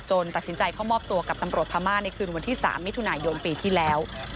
ตัดสินใจเข้ามอบตัวกับตำรวจพม่าในคืนวันที่๓มิถุนายนปีที่แล้ว